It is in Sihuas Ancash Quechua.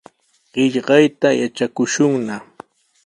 Qillqayta yatrakushunna.